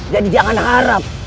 jadi jangan harap